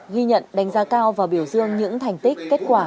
ghi nhận đánh giá cao và biểu dương những thành tích kết quả